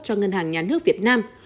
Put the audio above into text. cho ngân hàng nhà nước việt nam